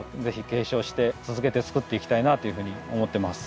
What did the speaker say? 継承して続けて作っていきたいなというふうに思ってます。